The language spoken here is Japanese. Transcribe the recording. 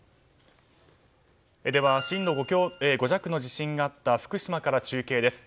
震度５弱の地震があった福島から中継です。